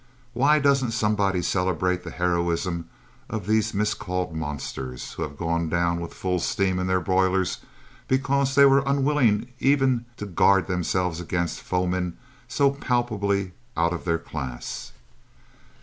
Why doesn't somebody celebrate the heroism of these miscalled monsters who have gone down with full steam in their boilers because they were unwilling even to guard themselves against foemen so palpably out of their class?